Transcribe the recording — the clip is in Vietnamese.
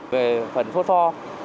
về phần phốt pho